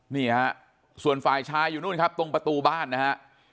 นี่ฮะส่วนฝ่ายชายอยู่นู่นครับตรงประตูบ้านนะฮะ